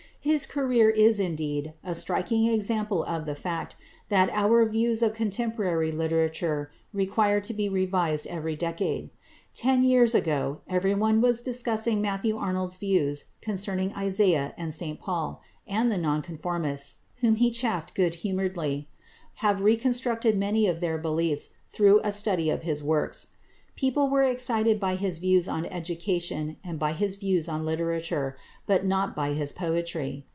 His career is, indeed, a striking example of the fact that our views of contemporary literature require to be revised every decade. Ten years ago everyone was discussing Matthew Arnold's views concerning Isaiah and St Paul, and the Nonconformists, whom he chaffed good humouredly, have reconstructed many of their beliefs through a study of his works. People were excited by his views on education and by his views on literature, but not by his poetry.